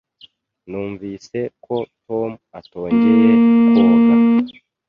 Numvise ko Tom atongeye koga.